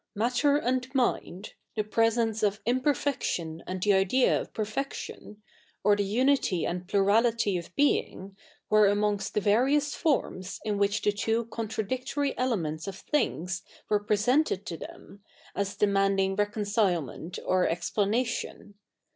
Matter and mind, the presence of im perfection and the idea of perfection, or the unify a fid plurality of being, were amongst the various forms in which the two contradictory elements of thi?igs were presented to them, as demanding reco7tcileme?it or explanation.